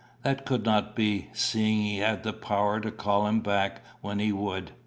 That could not be, seeing he had the power to call him back when he would.